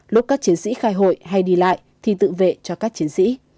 lúc các chiến sĩ khai hội hay đi lại thì tự vệ cho các chiến sĩ